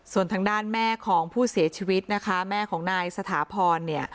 ส่วนทางด้านแม่ของผู้เสียชีวิตนะคะแม่ของนายสถาพรเนี่ย